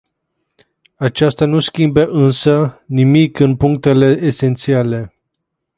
Aceasta nu schimbă însă nimic în punctele esențiale.